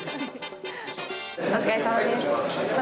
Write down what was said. お疲れさまです。